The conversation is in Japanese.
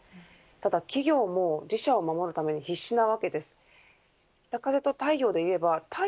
ただ企業も自社を守るために必死なわけです。